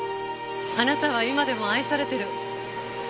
あなたは今でも愛されてる。